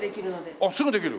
あっすぐできる？